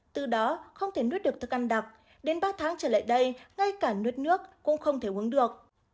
từ đó không thể nuốt được thức ăn đặc đến ba tháng trở lại đây ngay cả nuốt nước cũng không thể uống được